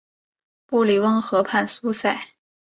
布里翁河畔苏塞。